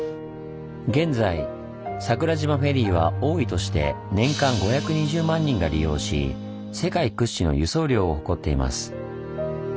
現在桜島フェリーは多い年で年間５２０万人が利用し世界屈指の輸送量を誇っています。